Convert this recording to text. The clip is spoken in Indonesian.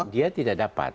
dia tidak dapat